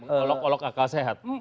olok olok akal sehat